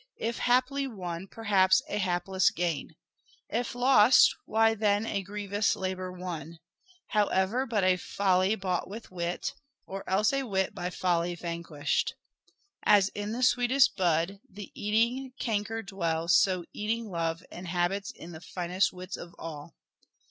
If haply won perhaps a hapless gain ; If lost why then a grievous labour won : However, but a folly bought with wit Of else a wit by folly vanquished. As in the sweetest bud The eating canker dwells, so eating love Inhabits in the finest wits of all.